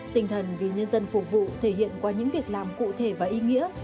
tinh thần vì nhân dân phục vụ thể hiện qua những việc làm cụ thể và ý nghĩa